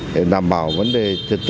để đảm bảo vấn đề